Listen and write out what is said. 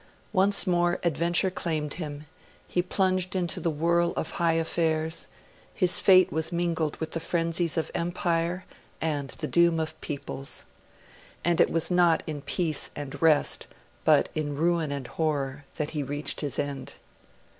Once more adventure claimed him; he plunged into the whirl of high affairs; his fate was mingled with the frenzies of Empire and the doom of peoples. And it was not in peace and rest, but in ruin and horror, that he reached his end.